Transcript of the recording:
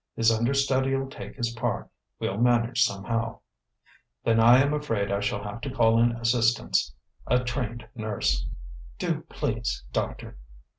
"His understudy'll take his part we'll manage somehow." "Then I am afraid I shall have to call in assistance a trained nurse." "Do, please, doctor."